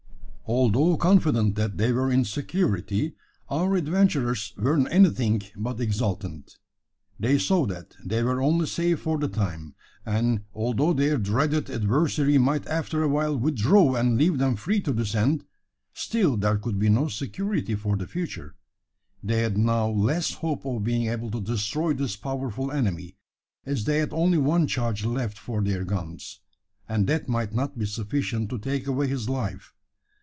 Although confident that they were in security, our adventurers were anything but exultant. They saw that they were only safe for the time; and, that although their dreaded adversary might after a while withdraw and leave them free to descend, still there could be no security for the future. They had now less hope of being able to destroy this powerful enemy: as they had only one charge left for their guns, and that might not be sufficient to take away his life.